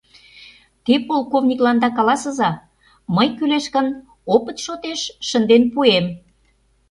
Те полковникланда каласыза: мый, кӱлеш гын, опыт шотеш шынден пуэм.